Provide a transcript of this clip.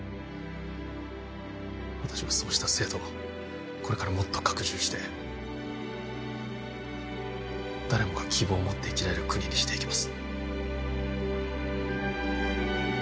私はそうした制度をこれからもっと拡充して誰もが希望を持って生きられる国にしていきます